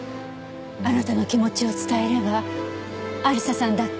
あなたの気持ちを伝えれば亜理紗さんだって。